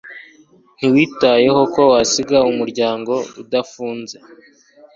Ntiwitayeho ko wasiga umuryango udafunze.